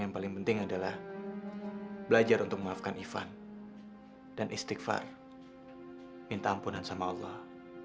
yang paling penting adalah belajar untuk memaafkan ivan dan istighfar minta ampunan sama allah